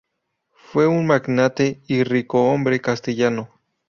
Fue un magnate y ricohombre castellano.